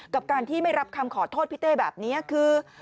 กับการที่ไม่รับคำขอโทษพี่เต้แบบนี้คือ